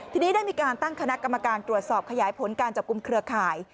ทีนี้ได้มีการตั้งคณะกรรมการตรวจสอบขยายผลการจับกลุ่มเครือข่าย